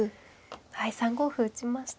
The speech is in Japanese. はい３五歩打ちました。